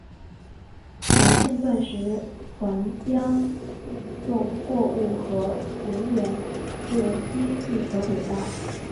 王剑钻石还将运送货物和人员至低地球轨道。